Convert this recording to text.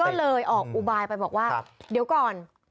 ก็เลยออกอุบายไปบอกว่าเดี๋ยวก่อน